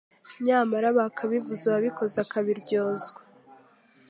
nyamara bakabivuze uwabikoze akabiryozwa